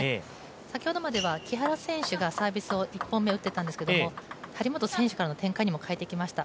先ほどまでは木原選手がサービスを１本目、打ってたんですが張本選手からの展開にも変えてきました。